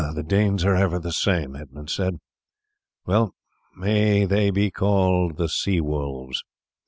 "The Danes are ever the same," Edmund said. "Well may they be called the sea wolves.